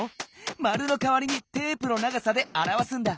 丸のかわりにテープの長さであらわすんだ。